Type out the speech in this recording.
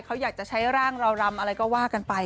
เขาอยากจะใช้ร่างเรารำอะไรก็ว่ากันไป